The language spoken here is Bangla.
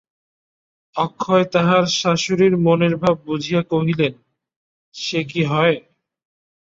অক্ষয় তাঁহার শাশুড়ির মনের ভাব বুঝিয়া কহিলেন, সে কি হয়?